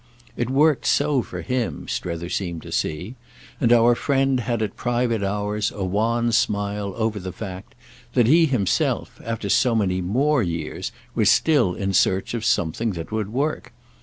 It worked so for him, Strether seemed to see; and our friend had at private hours a wan smile over the fact that he himself, after so many more years, was still in search of something that would work.